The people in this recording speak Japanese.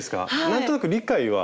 何となく理解は？